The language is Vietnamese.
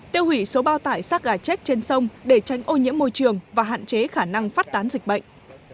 tiêu hủy số bao tải sát gà chết trên sông để tránh ô nhiễm môi trường và hạn chế khả năng phát tán dịch bệnh